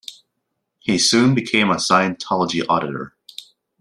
He soon became a Scientology auditor.